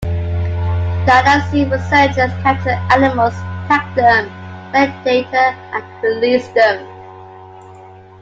Dallas Zoo researchers capture animals, tag them, collect data, and release them.